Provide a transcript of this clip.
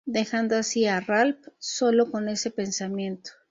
Dejando así a Ralph solo con ese pensamiento.